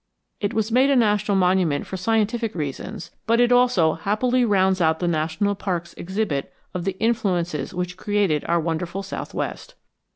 It was made a national monument for scientific reasons, but it also happily rounds out the national parks' exhibit of the influences which created our wonderful southwest.